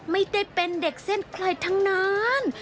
ไม่ได้เป็นเด็กเส้นใครทั้งนั้น